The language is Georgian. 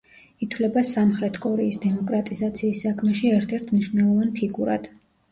ითვლება სამხრეთ კორეის დემოკრატიზაციის საქმეში ერთ-ერთ მნიშვნელოვან ფიგურად.